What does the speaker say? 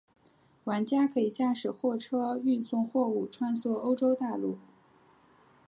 玩家可以驾驶货车运送货物穿梭欧洲大陆。